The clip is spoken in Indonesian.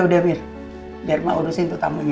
udah mir biar mak urusin tuh tamunya ya